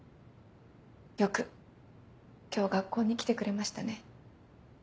よく今日学校に来てくれましたね。